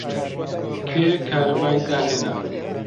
کێ کارەبای داهێنا؟